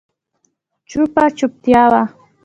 چوپه چوپتيا وه.